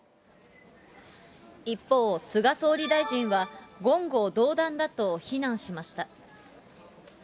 一方、菅総理大臣は言語道断だと非難しました。